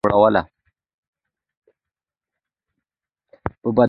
په بدن به یې ورته نښه جوړوله.